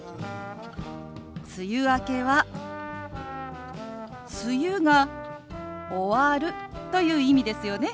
「梅雨明け」は「梅雨が終わる」という意味ですよね？